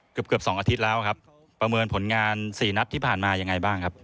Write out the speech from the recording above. เกือบเกือบสองอาทิตย์แล้วครับประเมินผลงานสี่นัดที่ผ่านมายังไงบ้างครับ